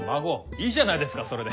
いいじゃないですかそれで。